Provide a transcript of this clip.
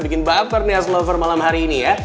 bisa bikin baper nih aslovers malam hari ini ya